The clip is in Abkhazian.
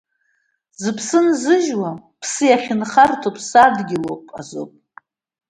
Зыԥсы нзыжьуа Ԥсы иахьанхарҭоу Ԥсадгьылуп азоуп.